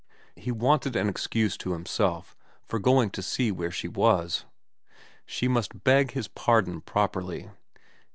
He wanted an excuse to himself for going to where she was. She must beg his pardon properly.